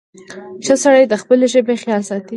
• ښه سړی د خپلې ژبې خیال ساتي.